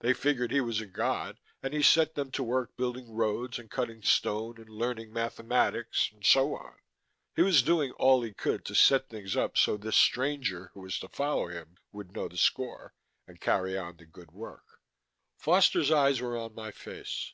They figured he was a god and he set them to work building roads and cutting stone and learning mathematics and so on. He was doing all he could to set things up so this stranger who was to follow him would know the score, and carry on the good work." Foster's eyes were on my face.